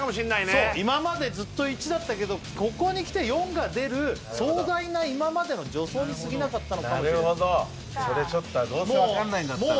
そう今までずっと１だったけどここにきて４が出る壮大な今までの助走にすぎなかったのかもしれないなるほど